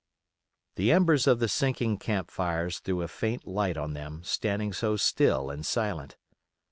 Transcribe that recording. The embers of the sinking camp fires threw a faint light on them standing so still and silent.